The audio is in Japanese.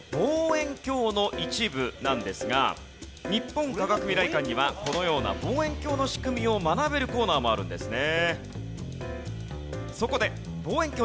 日本科学未来館にはこのような望遠鏡の仕組みを学べるコーナーもあるんですね。